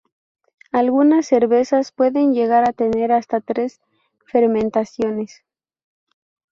Algunas cervezas pueden llegar a tener hasta tres fermentaciones.